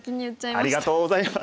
ありがとうございます。